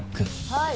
はい！